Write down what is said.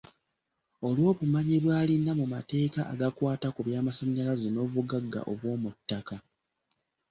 Olw’obumanyi bw’alina mu mateeka agakwata ku byamasannyalaze n’obugagga obw’omu ttaka.